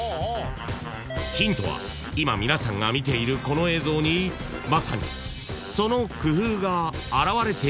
［ヒントは今皆さんが見ているこの映像にまさにその工夫が現れているんですが］